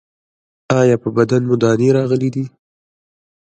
ایا په بدن مو دانې راغلي دي؟